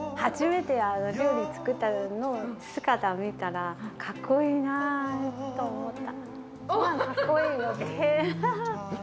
初めて料理作ってるの、姿見たら、かっこいいなぁと思った。